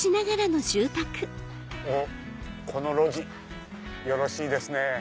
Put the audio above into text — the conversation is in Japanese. この路地よろしいですね。